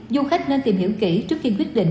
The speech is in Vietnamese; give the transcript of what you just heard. du khách nên tìm hiểu kỹ trước khi quyết định